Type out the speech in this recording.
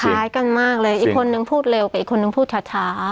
คล้ายกันมากเลยอีกคนนึงพูดเร็วกับอีกคนนึงพูดถา